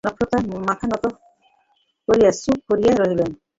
নক্ষত্ররায় মাথা নত করিয়া চুপ করিয়া রহিলেন।